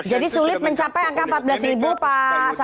jadi sulit mencapai angka empat belas pak sahab